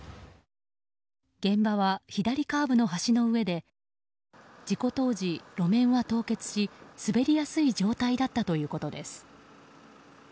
現場は左カーブの橋の上で事故当時、路面は凍結し滑りやすい状態だったということです。